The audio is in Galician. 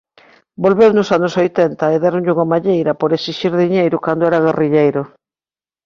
Volveu nos anos oitenta e déronlle unha malleira por esixir diñeiro cando era guerrilleiro.